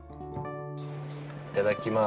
いただきます。